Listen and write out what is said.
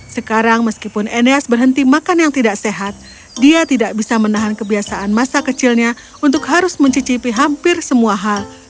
sekarang meskipun eneas berhenti makan yang tidak sehat dia tidak bisa menahan kebiasaan masa kecilnya untuk harus mencicipi hampir semua hal